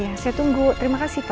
iya saya tunggu terima kasih pa